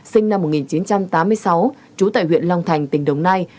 sinh năm một nghìn chín trăm tám mươi sáu trú tại huyện long thành tỉnh đồng nai